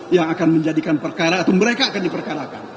yang akan menjadikan perkara atau mereka akan diperkarakan